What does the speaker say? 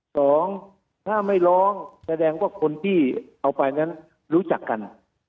สองถ้าไม่ร้องแสดงว่าคนที่เอาไปนั้นรู้จักกัน